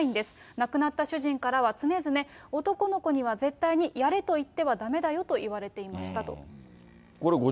亡くなった主人からは常々、男の子には絶対にやれと言ってはだめだよと言われてましたと。